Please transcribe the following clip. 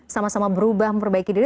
sama sama berubah memperbaiki diri